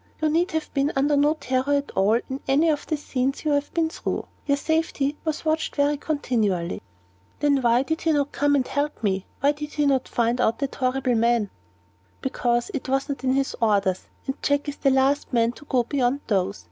You need have been under no terror at all in any of the scenes you have been through. Your safety was watched for continually." "Then why did he not come and help me? Why did he not find out that horrible man?" "Because it was not in his orders, and Jack is the last man to go beyond those.